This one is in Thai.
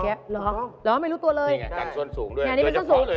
ตัวเองนี้นะตัวเองที่เป็นส่วนสูง